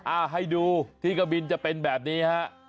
อ่าให้ดูที่กะบินจะเป็นแบบนี้ฮะ